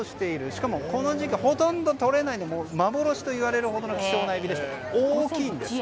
しかもこの時期ほとんどとれない幻といわれるほどの希少なエビでして、大きいんです。